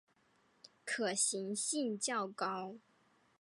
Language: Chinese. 可行性较高